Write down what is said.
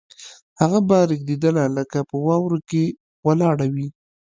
هغه به رېږدېدله لکه په واورو کې ولاړه وي